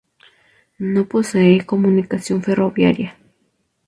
No posee comunicación ferroviaria.